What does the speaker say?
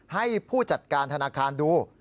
ให้ผู้จัดการธนาคารดู